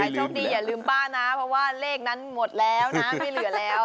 โชคดีอย่าลืมป้านะเพราะว่าเลขนั้นหมดแล้วนะไม่เหลือแล้ว